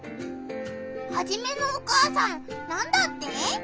ハジメのお母さんなんだって？